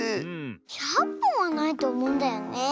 １００ぽんはないとおもうんだよねえ。